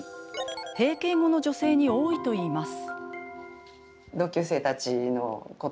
閉経後の女性に多いといいます。